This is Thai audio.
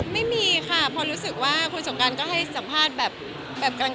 ไม่มีค่ะพอรู้สึกว่าคุณสงการก็ให้สัมภาษณ์แบบกลาง